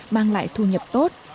mang lại thu nhập tốt